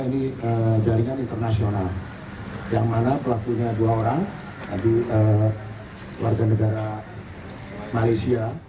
ini jaringan internasional yang mana pelakunya dua orang warga negara malaysia